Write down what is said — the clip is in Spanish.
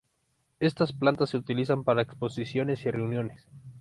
Estas plantas se utilizan para exposiciones y reuniones.